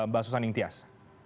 bah susaning tias